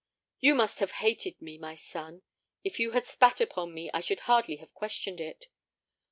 "You must have hated me, my son; if you had spat upon me, I should hardly have questioned it.